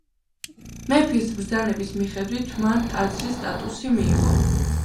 მეფის ბრძანების მიხედვით მან ტაძრის სტატუსი მიიღო.